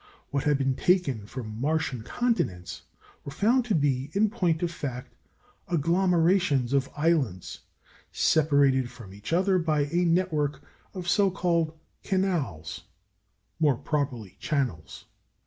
What had been taken for Martian continents were found to be, in point of fact, agglomerations of islands, separated from each other by a network of so called "canals" (more properly channels).